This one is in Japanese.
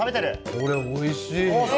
これ、おいしい。